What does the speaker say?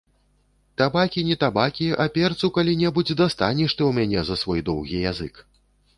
Табакі не табакі, а перцу калі-небудзь дастанеш ты ў мяне за свой доўгі язык.